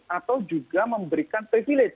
atau juga memberikan privilege